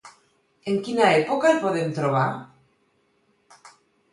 En quina època el podem trobar?